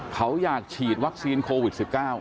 เขาอยากฉีดวัคซีนโควิด๑๙